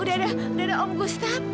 udah ada om gustaf